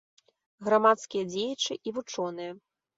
Грамадскія дзеячы і вучоныя.